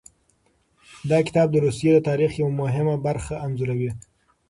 دا کتاب د روسیې د تاریخ یوه مهمه برخه انځوروي.